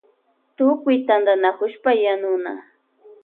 Tutkuy tantanakushpa yanuna.